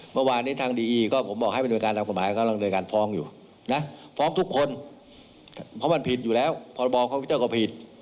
เมื่อวานิทันดีกรรมผิดอยู่แล้วพรบคอมพิวเตอร์ก็ผิด